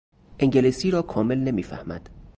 انگلیسی را کامل نمیفهمد.